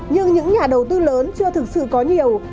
nhưng những nhà đầu tư lớn chưa thực sự có nhiều